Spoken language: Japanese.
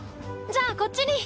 じゃあこっちに。